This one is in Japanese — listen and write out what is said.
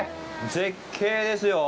絶景ですよ！